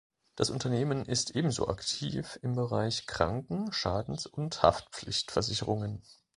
Das Unternehmen ist ebenso aktiv im Bereich Kranken-, Schadens- und Haftpflichtversicherungen.